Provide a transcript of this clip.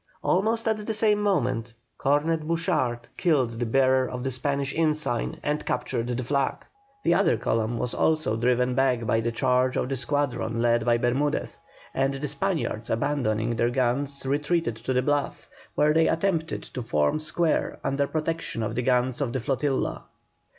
Almost at the same moment, Cornet Bouchard killed the bearer of the Spanish ensign and captured the flag. The other column was also driven back by the charge of the squadron led by Bermudez, and the Spaniards abandoning their guns, retreated to the bluff, where they attempted to form square under protection of the guns of the flotilla.